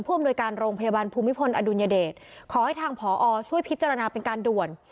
อำนวยการโรงพยาบาลภูมิพลอดุลยเดชขอให้ทางผอช่วยพิจารณาเป็นการด่วน